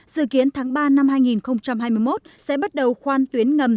dự kiến tháng ba năm hai nghìn hai mươi một sẽ bắt đầu khoan tuyến ngầm